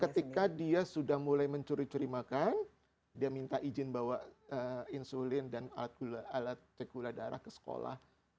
ketika dia sudah mulai mencuri curi makan dia minta izin bawa insulin dan alat cek gula darah ke sekolah